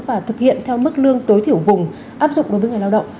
và thực hiện theo mức lương tối thiểu vùng áp dụng đối với người lao động